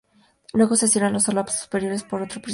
Luego, se cierran las solapas superiores con otro precinto.